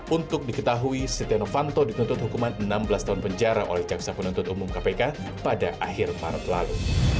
untuk diketahui setia novanto dituntut hukuman enam belas tahun penjara oleh jaksa penuntut umum kpk pada akhir maret lalu